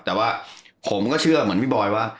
แต่ว่าผมก็เชื่อเหมือนพี่บอยว่า